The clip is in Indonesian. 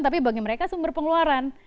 tapi bagi mereka sumber pengeluaran